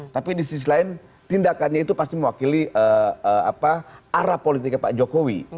tapi di sisi lain tindakannya itu pasti mewakili arah politiknya pak jokowi